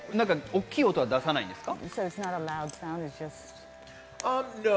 大きい音は出さないんですか？